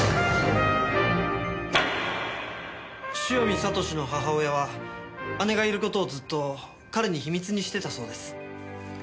汐見悟志の母親は姉がいる事をずっと彼に秘密にしてたそうです。